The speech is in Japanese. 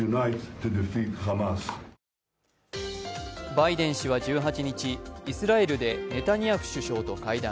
バイデン氏は１８日、イスラエルでネタニヤフ首相と会談。